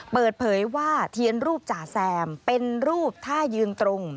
เปิดเผยว่าเทียนรูปจ่าแซมเป็นรูปท่ายืนตรง